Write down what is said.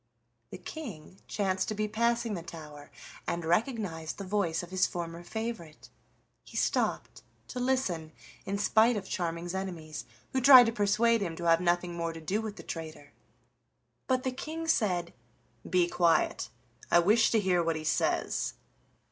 The King chanced to be passing the tower and recognized the voice of his former favorite. He stopped to listen in spite of Charming's enemies, who tried to persuade him to have nothing more to do with the traitor. But the King said: "Be quiet, I wish to hear what he says."